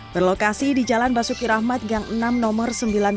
berlokasi di jalan basuki rahmat gang enam nomor sembilan ratus delapan puluh delapan